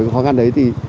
khó khăn đấy